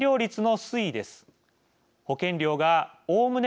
保険料がおおむね